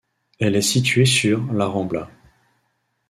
Elle est située sur La Rambla.